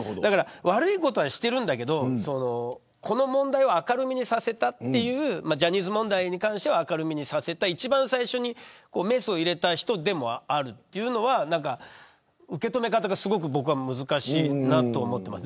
悪いことはしてるんだけどこの問題を明るみにさせたというジャニーズ問題に関しては明るみにさせた一番最初にメスを入れた人でもあるというのは受け止め方がすごく難しいなと思います。